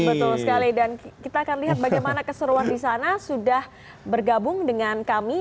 betul sekali dan kita akan lihat bagaimana keseruan di sana sudah bergabung dengan kami